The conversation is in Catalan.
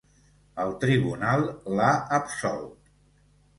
El tribunal l’ha absolt.